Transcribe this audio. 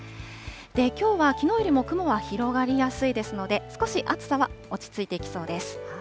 きょうはきのうよりも雲が広がりやすいですので、少し暑さは落ち着いてきそうです。